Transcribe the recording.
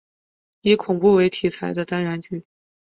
以恐怖为题材的单元剧。